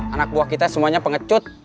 anak buah kita semuanya pengecut